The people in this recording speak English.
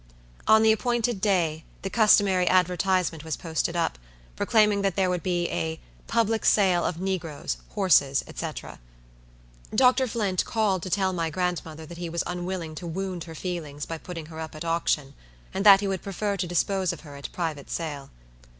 On the appointed day, the customary advertisement was posted up, proclaiming that there would be a "public sale of negroes, horses, &c." Dr. Flint called to tell my grandmother that he was unwilling to wound her feelings by putting her up at auction, and that he would prefer to dispose of her at private sale.